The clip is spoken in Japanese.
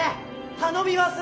・頼みます！